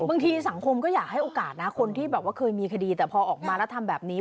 บางทีสังคมก็อยากให้โอกาสนะคนที่แบบว่าเคยมีคดีแต่พอออกมาแล้วทำแบบนี้